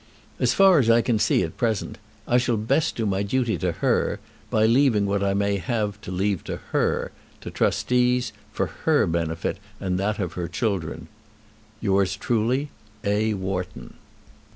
As far as I can see at present, I shall best do my duty to her, by leaving what I may have to leave to her, to trustees, for her benefit and that of her children. Yours truly, A. WHARTON.